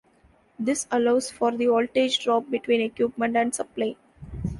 This allows for the voltage drop between equipment and supply.